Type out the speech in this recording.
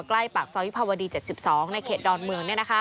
ใกล้ปากซอยวิภาวดี๗๒ในเขตดอนเมือง